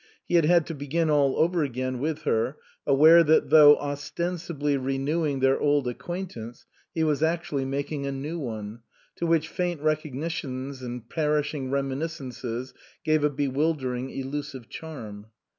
He had had to begin all over again with her, aware that though ostensibly renewing their old acquaint ance, he was actually making a new one, to which faint recognitions and perishing remi niscences gave a bewildering, elusive charm.